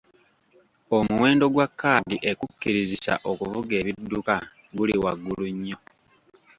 Omuwendo gwa kaadi ekukkirizisa okuvuga ebidduka guli waggulu nnyo.